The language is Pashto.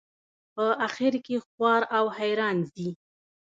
په آخر کې خوار او حیران ځي.